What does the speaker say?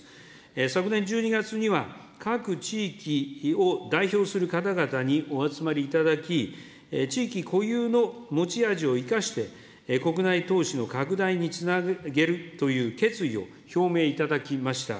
昨年１２月には、各地域を代表する方々にお集まりいただき、地域固有の持ち味を生かして、国内投資の拡大につなげるという決意を表明いただきました。